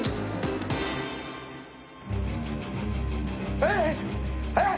えっ！？